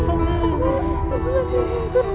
kita salah sepakat